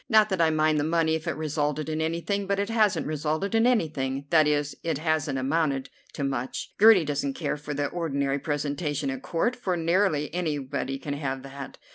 Not that I mind the money if it resulted in anything, but it hasn't resulted in anything; that is, it hasn't amounted to much. Gertie doesn't care for the ordinary presentation at Court, for nearly anybody can have that.